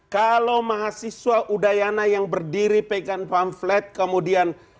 kalau mahasiswa udayana yang berdiri pegang pamflet kemudian